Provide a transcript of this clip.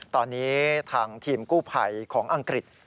ตอนนี้ทางทีมกู้ภัยของอังกฤษ